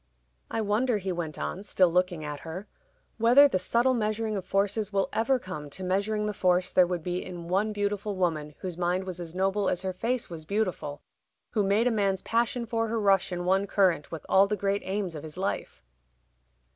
"I wonder," he went on, still looking at her, "whether the subtle measuring of forces will ever come to measuring the force there would be in one beautiful woman whose mind was as noble as her face was beautiful who made a man's passion for her rush in one current with all the great aims of his life."